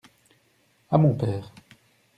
À mon père.